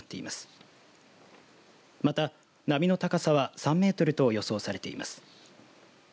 また、波の高さは３メートルと予想されています。